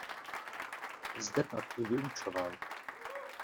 Zde pak i vyučoval.